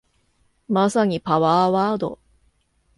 まさにパワーワード